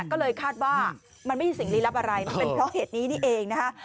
ก็เลยคาดว่ามันไม่มีสิ่งลี้ลับอะไรมันเป็นเพราะเหตุนี้นี่เองนะคะ